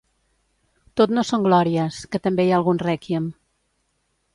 Tot no són glòries, que també hi ha algun rèquiem.